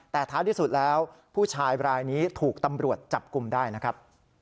แต่ท้ายที่สุดแล้วผู้ชายรายนี้ถูกตำรวจจับกลุ่มได้นะครับ